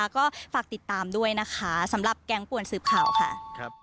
ก็ฝากติดตามด้วยนะคะสำหรับแก๊งป่วนสืบข่าวค่ะ